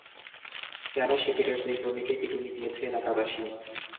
কেন শিবিরের দুই কর্মীকে পিটুনি দিয়েছে এলাকাবাসী?